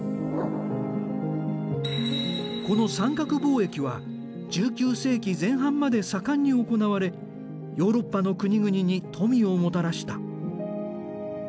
この三角貿易は１９世紀前半まで盛んに行われヨーロッパの国々に富をもたらした。